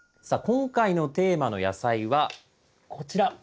今回のテーマの野菜はこちら！